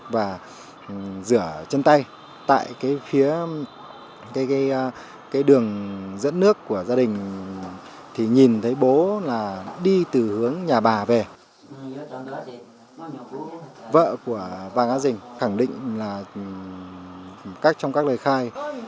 vợ của vàng á rình khẳng định trong các lời khai